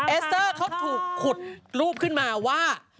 เอสเตอร์เขาถูกขุดรูปขึ้นมาว่า